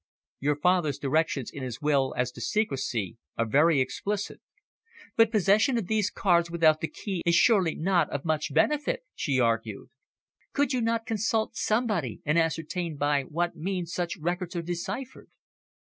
"Your father's directions in his will as to secrecy are very explicit." "But possession of these cards without the key is surely not of much benefit," she argued. "Could you not consult somebody, and ascertain by what means such records are deciphered?"